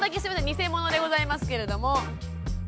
偽物でございますけれども。